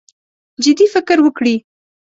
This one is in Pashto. جدي فکر وکړي.